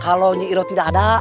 kalau nyiiro tidak ada